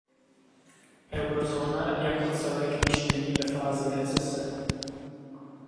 Eurozóna jako celek již není ve fázi recese.